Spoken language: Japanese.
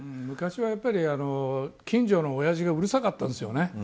昔は、近所のおやじがうるさかったですよね。